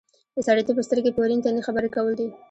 د سړیتوب سترګې په ورین تندي خبرې کول دي.